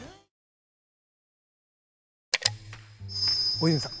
大泉さん